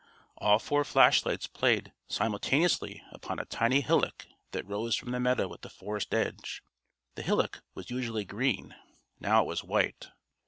All four flashlights played simultaneously upon a tiny hillock that rose from the meadow at the forest edge. The hillock was usually green. Now it was white.